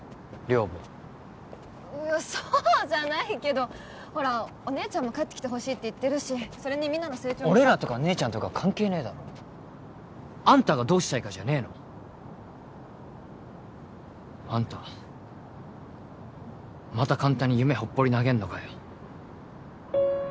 寮母いやそうじゃないけどほらお姉ちゃんも帰ってきてほしいって言ってるしそれにみんなの成長もさ俺らとか姉ちゃんとか関係ねえあんたがどうしたいかじゃねえの？あんたまた簡単に夢ほっぽり投げんのかよ